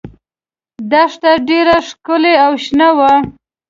دښته ډېره ښکلې او شنه وه.